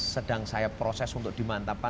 sedang saya proses untuk dimantapkan